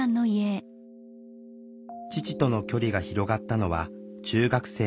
父との距離が広がったのは中学生の頃。